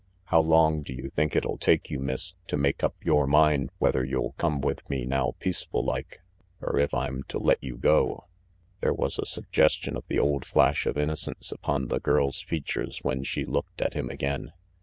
How long do you think it'll take you, Miss, to make up yore mind whether you'll come with me now peaceful like, er if I'm to let you go?" There was a suggestion of the old flash of inno cence upon the girl's features when she looked at him again.